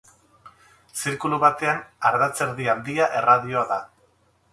Zirkulu batean ardatzerdi handia erradioa da.